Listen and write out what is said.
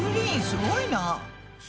すごいね。